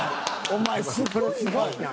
お前すごいな。